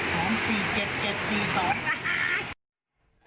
กลับให้ดีถ้า๓ตัวก็๒๔๗๗๔๒นะฮะ